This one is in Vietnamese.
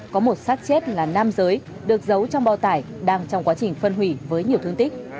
có một sát chết là nam giới được giấu trong bao tải đang trong quá trình phân hủy với nhiều thương tích